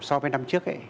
so với năm trước ấy